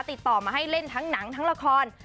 ติดต่อมาให้เล่นทั้งหนังทั้งละคร